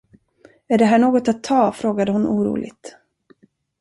Är det här något att ta, frågade hon oroligt.